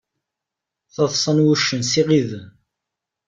Taḍsa n wuccen s iɣiden.